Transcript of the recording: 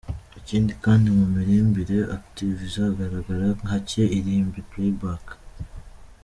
Ikindi kandi mu miririmbire, Active izagaragara hake irimba playback.